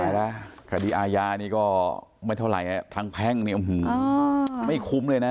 แล้วคดีอาญานี่ก็ไม่เท่าไหร่ทางแพ่งนี่ไม่คุ้มเลยนะ